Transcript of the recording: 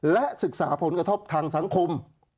และศึกษาผลกระทบทางสังคม